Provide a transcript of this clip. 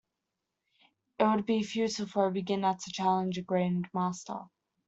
It would be futile for a beginner to challenge a grandmaster.